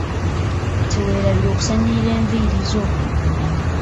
Teweerabira okusanirira enviiri zo.